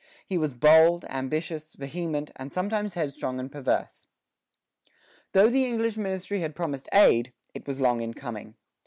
He was bold, ambitious, vehement, and sometimes headstrong and perverse. Though the English ministry had promised aid, it was long in coming.